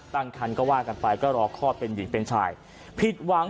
ตั้งคันก็ว่ากันไปก็รอคลอดเป็นหญิงเป็นชายผิดหวัง